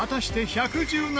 「１１７」